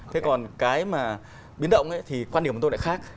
thế còn cái mà biến động thì quan điểm của tôi lại khác